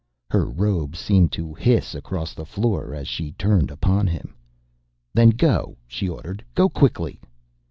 Her robe seemed to hiss across the floor as she turned upon him. "Then go!" she ordered. "Go quickly!"